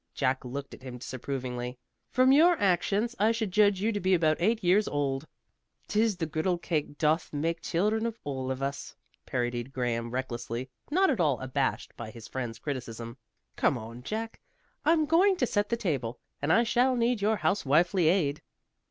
Jack looked at him disapprovingly. "From your actions I should judge you to be about eight years old." "'Tis the griddle cake doth make children of us all," parodied Graham recklessly, not at all abashed by his friend's criticism. "Come on, Jack. I'm going to set the table, and I shall need your housewifely aid."